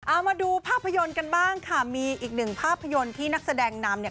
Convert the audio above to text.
เอามาดูภาพยนตร์กันบ้างค่ะมีอีกหนึ่งภาพยนตร์ที่นักแสดงนำเนี่ย